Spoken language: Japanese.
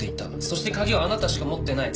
そして鍵はあなたしか持ってない。